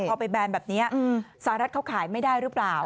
พอไปแบนแบบนี้สหรัฐเขาขายไม่ได้หรือเปล่า